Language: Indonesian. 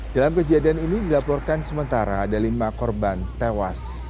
dalam kejadian ini dilaporkan sementara ada lima korban tewas